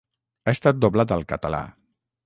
Ha estat doblat al català.